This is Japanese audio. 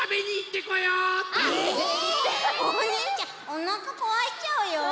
おにいちゃんおなかこわしちゃうよ。